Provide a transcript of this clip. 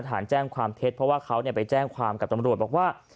ฐานแจ้งความเท็จเพราะว่าเขาไปแจ้งความกับตำรวจบอกว่า